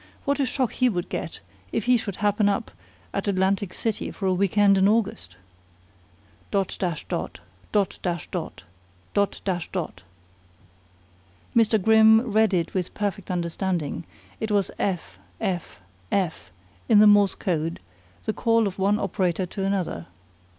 What a shock he would get if he should happen up at Atlantic City for a week end in August!" "Dot dash dot! Dot dash dot! Dot dash dot!" Mr. Grimm read it with perfect understanding; it was "F F F" in the Morse code, the call of one operator to another.